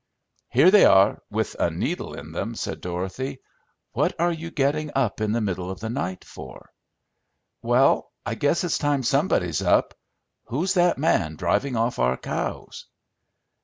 "Here they are with a needle in them," said Dorothy. "What are you getting up in the middle of the night for?" "Well, I guess it's time somebody's up. Who's that man driving off our cows?"